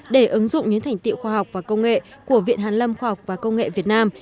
để ứng dụng những thành tiệu khoa học và công nghệ của viện hàn lâm khoa học và công nghệ việt nam